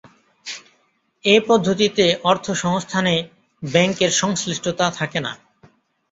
এ পদ্ধতিতে অর্থসংস্থানে ব্যাংকের সংশ্লিষ্টতা থাকে না।